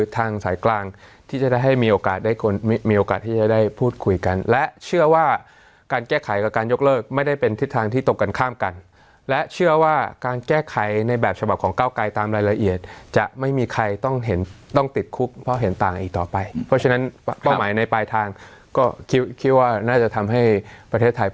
ทางสายกลางที่จะได้ให้มีโอกาสได้คนมีโอกาสที่จะได้พูดคุยกันและเชื่อว่าการแก้ไขกับการยกเลิกไม่ได้เป็นทิศทางที่ตรงกันข้ามกันและเชื่อว่าการแก้ไขในแบบฉบับของเก้าไกลตามรายละเอียดจะไม่มีใครต้องเห็นต้องติดคุกเพราะเห็นต่างอีกต่อไปเพราะฉะนั้นเป้าหมายในปลายทางก็คิดคิดว่าน่าจะทำให้ประเทศไทย